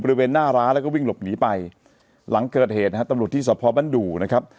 บริเวณหน้าร้านแล้วก็วิ่งหลบหนีไปหลังเกิดเหตุนะฮะตำรวจที่สะพอบรรดูนะครับ